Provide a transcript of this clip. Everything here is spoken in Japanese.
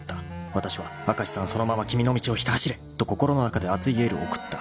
わたしは「明石さんそのまま君の道をひた走れ！」と心の中で熱いエールを送った］